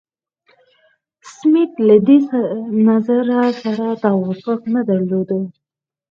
سمیت له دې نظر سره توافق نه درلود.